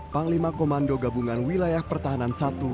panglima komando gabungan wilayah pertahanan i